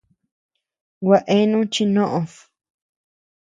Gua eanu chi noʼod.